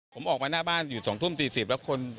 ผมออกมาหน้าบ้านอยู่๒๔๐นแล้ว